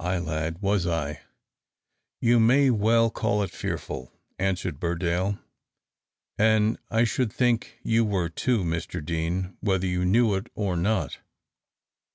"Ay, lad, was I: you may well call it fearful!" answered Burdale. "And I should think you were too, Master Deane, whether you knew it or not."